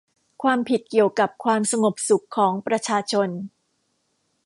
ความผิดเกี่ยวกับความสงบสุขของประชาชน